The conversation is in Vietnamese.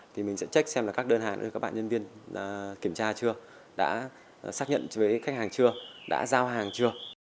thì mình sẽ trách xem là các đơn hàng các bạn nhân viên kiểm tra chưa đã xác nhận thuế khách hàng chưa đã giao hàng chưa